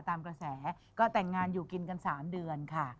ตามกระแสก็แต่งงานอยู่กินกัน๓เดือนค่ะ